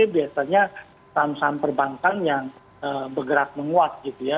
biasanya saham saham perbankan yang bergerak menguat gitu ya